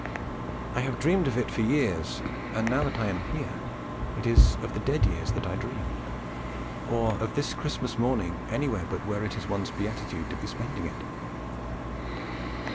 I have dreamt of it for years, yet now that I am here it is of the dead years I dream, or of this Christmas morning anywhere but where it is one's beatitude to be spending it.